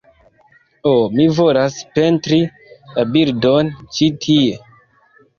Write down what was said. Oh, mi volas pentri la bildon ĉi tie